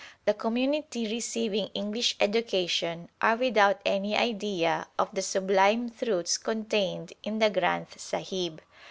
The Com munity receiving English education are without any idea of the sublime truths contained in the Granth Sahib.